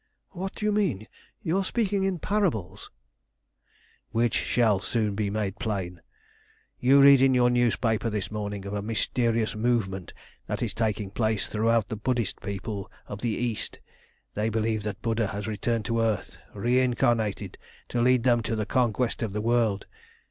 "What do you mean? You are speaking in parables." "Which shall soon be made plain. You read in your newspaper this morning of a mysterious movement that is taking place throughout the Buddhist peoples of the East. They believe that Buddha has returned to earth, reincarnated, to lead them to the conquest of the world.